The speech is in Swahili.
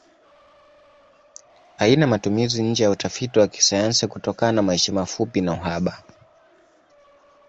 Haina matumizi nje ya utafiti wa kisayansi kutokana maisha mafupi na uhaba.